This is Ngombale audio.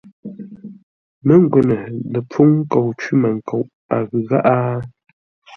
Mə́ngwə́nə lə pfúŋ nkou cwímənkoʼ, a ghʉ gháʼá ?